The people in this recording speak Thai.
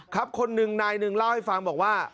ครับคนหนึ่งนายหนึ่งไปเล่าให้ฟังว่า